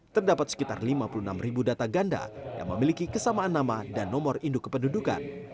terdapat sekitar lima puluh enam data ganda yang memiliki kesamaan nama dan nomor induk kependudukan